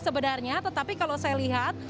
sebenarnya tetapi kalau saya lihat